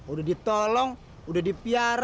udah ditolong udah dipiara